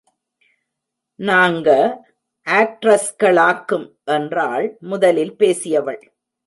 நாங்க ஆக்ட்ரஸ்களாக்கும்! என்றாள் முதலில் பேசியவள்.